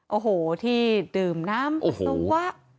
โอ้โหที่ดื่มน้ำโอ้โห